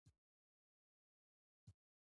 په لرغوني مصر کې د پلان جوړونې ماهران پیدا شول.